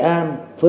của tổ quốc